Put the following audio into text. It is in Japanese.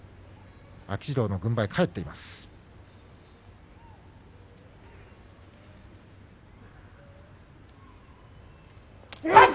秋治郎の軍配返っています。